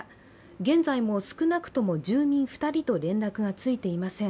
現在も少なくとも住民２人と連絡がついていません。